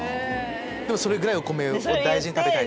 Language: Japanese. それぐらいお米を大事に食べたいし。